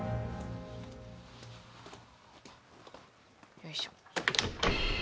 よいしょ